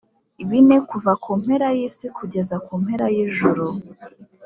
bine kuva ku mpera y isi kugeza ku mpera y ijuru f